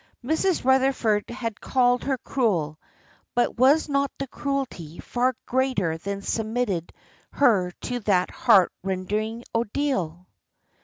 Mrs. Rutherford had called her cruel, but was not the cruelty far greater that submitted her to that heart rending ordeal?